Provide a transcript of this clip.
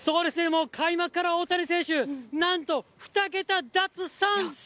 もう開幕から大谷選手、なんと、２桁奪三振。